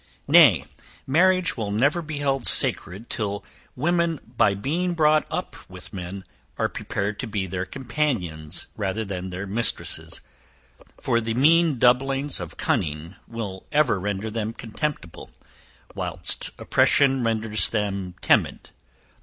Nay, marriage will never be held sacred till women by being brought up with men, are prepared to be their companions, rather than their mistresses; for the mean doublings of cunning will ever render them contemptible, whilst oppression renders them timid.